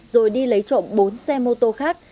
rồi đi lấy trộm bốn xe mô tô khác